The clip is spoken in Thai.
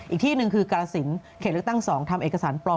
อีกที่หนึ่งคือกาลสินเขตเลือกตั้ง๒ทำเอกสารปลอม